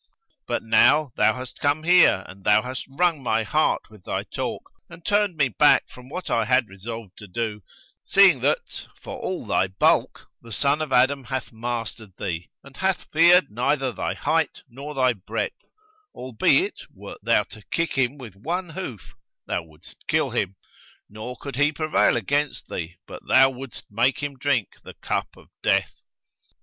But now thou hast come here and thou hast wrung my heart with thy talk and turned me back from what I had resolved to do, seeing that, for all thy bulk, the son of Adam hath mastered thee and hath feared neither thy height nor thy breadth, albeit, wert thou to kick him with one hoof thou wouldst kill him, nor could he prevail against thee, but thou wouldst make him drink the cup of death.'